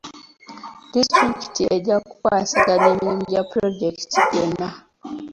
Disitulikiti ejja kukwasaganya emirimu gya pulojeketi gyonna.